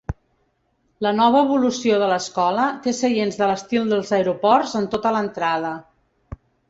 La nova evolució de l'escola té seients de l'estil dels aeroports en tota l'entrada.